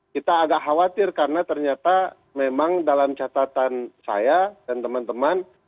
kita agak khawatir karena ternyata memang dalam catatan saya dan teman teman